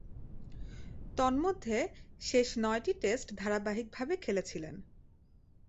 তন্মধ্যে, শেষ নয়টি টেস্ট ধারাবাহিকভাবে খেলেছিলেন।